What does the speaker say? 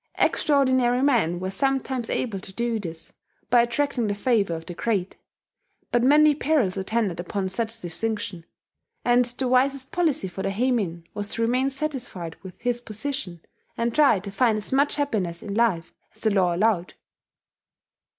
Extraordinary men were sometimes able to do this, by attracting the favour of the great. But many perils attended upon such distinction; and the wisest policy for the heimin was to remain satisfied with his position, and try to find as much happiness in life as the law allowed.